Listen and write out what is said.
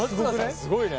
すごくね？